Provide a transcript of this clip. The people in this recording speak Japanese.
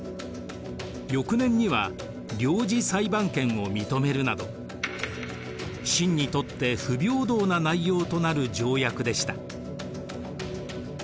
翌年には領事裁判権を認めるなど清にとって不平等な内容となる条約でした。